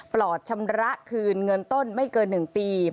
ปลอดชำระคืนเงินต้นไม่เกิน๑ปี